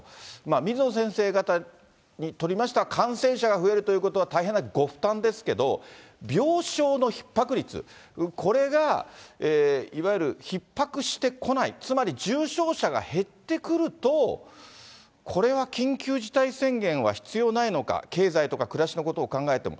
水野先生方にとりましては、感染者が増えるということは大変なご負担ですけど、病床のひっ迫率、これがいわゆるひっ迫してこない、つまり重症者が減ってくると、これは緊急事態宣言は必要ないのか、経済とか暮らしのことを考えても。